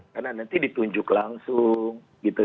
karena nanti ditunjuk langsung